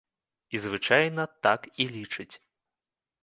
І звычайна так і лічыць.